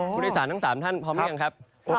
ผู้โดยสารทั้ง๓ท่านพร้อมไหมครับ